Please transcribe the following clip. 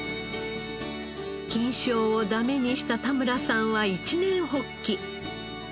菌床をダメにした田村さんは一念発起。